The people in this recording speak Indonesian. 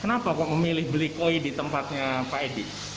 kenapa kok memilih beli koi di tempatnya pak edi